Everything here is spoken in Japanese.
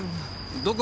どこ？